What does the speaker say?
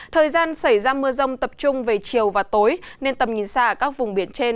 thời gian xảy ra mưa rông tập trung về chiều và tối nên tầm nhìn xa các vùng biển trên